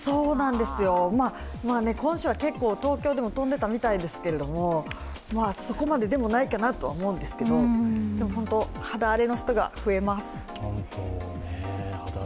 今週は結構東京でも飛んでいたみたいですけど、そこまででもないかなとは思うんですけど、本当に肌荒れの人が増えます。